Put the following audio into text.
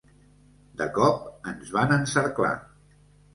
De cop, ens van encerclar.